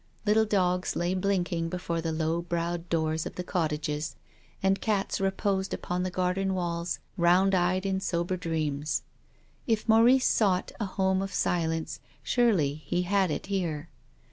Little dogs lay blinking before the low browed doors of the cottages, and cats reposed upon the garden walls round eyed in sober dreams. If Maurice sought a home of silence surely he had it here.